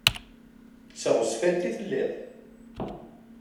D taɣezfant i telliḍ?